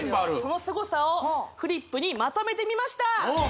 そのスゴさをフリップにまとめてみました